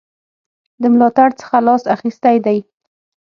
د ملاتړ څخه لاس اخیستی دی.